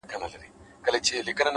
تمرکز بریا ته مستقیمه لاره ده’